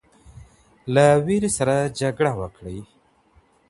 له ویري سره جګړه وکړئ.